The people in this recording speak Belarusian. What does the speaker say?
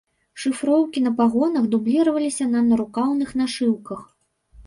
Шыфроўкі на пагонах дубліраваліся на нарукаўных нашыўках.